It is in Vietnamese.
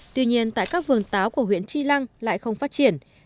tuy nhiên tại các vườn táo của huyện chi lăng lại không phát triển